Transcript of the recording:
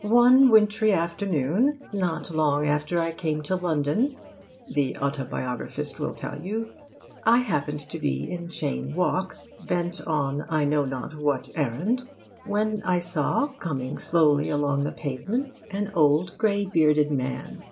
'One wintry afternoon, not long after I came to London,' the autobiographist will tell you, 'I happened to be in Cheyne Walk, bent on I know not what errand, when I saw coming slowly along the pavement an old grey bearded man.